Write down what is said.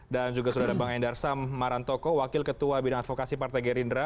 dan juga sudah ada bang endarsam marantoko wakil ketua bidang advokasi partai gerindra